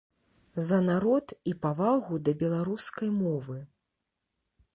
За народ і павагу да беларускай мовы.